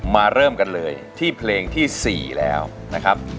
ทั้งในเรื่องของการทำงานเคยทำนานแล้วเกิดปัญหาน้อย